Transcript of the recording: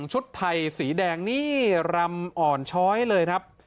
ชุดไทยสีแดงนี่รำอ่อนช้อยเลยครับ